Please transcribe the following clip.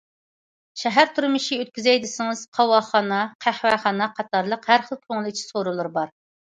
شەھەر تۇرمۇشى ئۆتكۈزەي دېسىڭىز، قاۋاقخانا، قەھۋەخانا قاتارلىق ھەر خىل كۆڭۈل ئېچىش سورۇنلىرى بار.